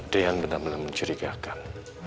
deyan benar benar mencurigakan